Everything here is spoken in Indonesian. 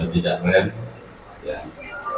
kepolisian menurunkan jejak rent